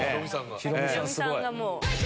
ヒロミさんがもう。